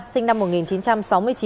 sinh năm một nghìn chín trăm sáu mươi chín